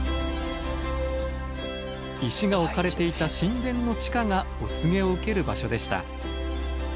石が置かれていた神殿の地下がお告げを受ける場所でした。